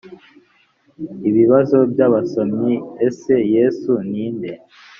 ibibazo by abasomyi ese yesu ni nde